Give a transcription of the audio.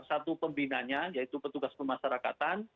satu pembinanya yaitu petugas pemasarakatan